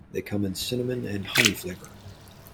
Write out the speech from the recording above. They come in cinnamon and honey flavor.